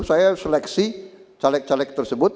saya seleksi caleg caleg tersebut